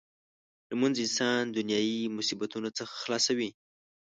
لمونځ انسان د دنیايي مصیبتونو څخه خلاصوي.